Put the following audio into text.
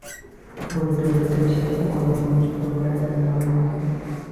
বলিতে বলিতে সে অন্যমনস্কও হইয়া গেল মাঝে মাঝে।